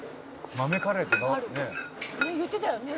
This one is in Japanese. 「豆カレーってねえ？」